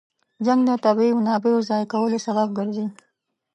جنګ د طبیعي منابعو ضایع کولو سبب ګرځي.